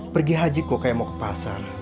pergi haji kok kayak mau ke pasar